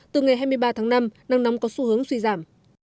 từ ngày hai mươi ba tháng năm nắng nóng có xu hướng suy giảm